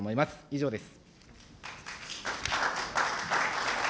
以上です。